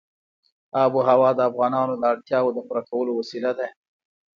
آب وهوا د افغانانو د اړتیاوو د پوره کولو وسیله ده.